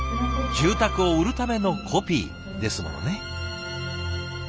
「住宅を売るためのコピー」ですものね。